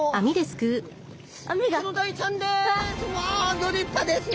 ギョ立派ですね。